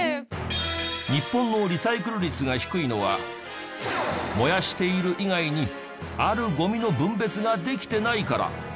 日本のリサイクル率が低いのは燃やしている以外にあるゴミの分別ができてないから。